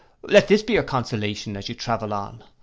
Let this be your consolation as you travel on.